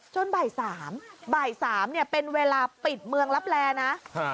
จนบ่าย๓บ่าย๓เป็นเวลาปิดเมืองรับแรนนะ